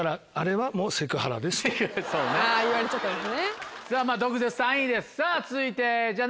はい。